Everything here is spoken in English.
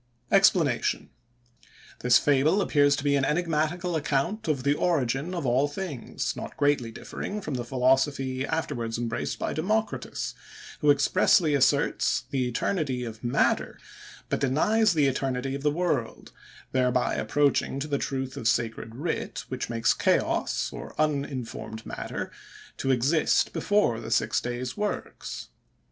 EXPLANATION.—This fable appears to be an enigmatical account of the origin of all things, not greatly differing from the philosophy afterwards embraced by Democritus, who expressly asserts the eternity of matter, but denies the eternity of the world; thereby approaching to the truth of sacred writ, which makes chaos, or uninformed matter, to exist before the six days' works.